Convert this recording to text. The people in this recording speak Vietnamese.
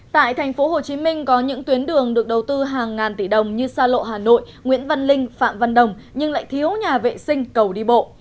tại tp hcm có những tuyến đường được đầu tư hàng ngàn tỷ đồng như xa lộ hà nội nguyễn văn linh phạm văn đồng nhưng lại thiếu nhà vệ sinh cầu đi bộ